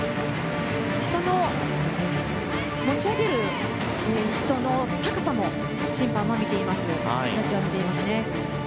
人を持ち上げる人の高さも審判は見ています。